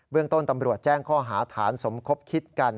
เรื่องต้นตำรวจแจ้งข้อหาฐานสมคบคิดกัน